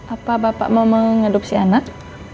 apa bapak mau mengadopsi anak